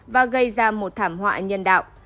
và gây ra một thảm họa nhân đạo